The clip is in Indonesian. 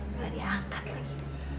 gak diangkat lagi